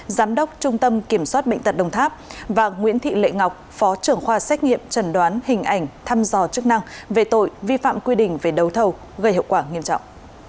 giám đốc trung tâm kiểm soát bệnh tật đồng tháp và nguyễn thị lệ ngọc phó trưởng khoa xét nghiệm trần đoán hình ảnh thăm dò chức năng về tội vi phạm quy định về đấu thầu gây hậu quả nghiêm trọng